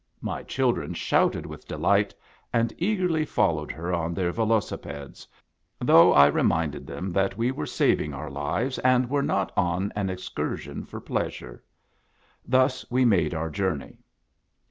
My children shouted with de light, and eagerly followed her on their velocipedes, though I reminded them that we were saving our lives, and were not on an excursion for pleasure. Thus we made our journey.